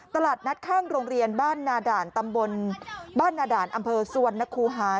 ตลาดนัดข้างโรงเรียนบ้านนาดาลอำเภอสวรรค์นักครูฮา